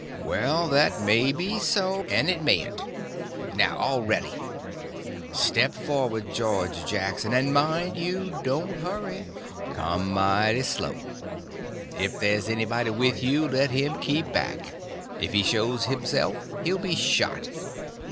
"Well, that may be so, and it mayn't. Now, all ready. Step forward, George Jackson. And mind, don't you hurry—come mighty slow. If there's anybody with you, let him keep back—if he shows himself he'll be shot.